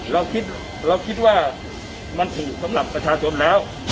เราคิดเราคิดว่ามันถูกสำหรับประชาชนแล้ว